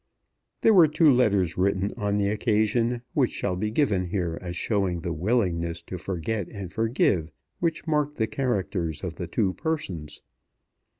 There were two letters written on the occasion which shall be given here as showing the willingness to forget and forgive which marked the characters of the two persons.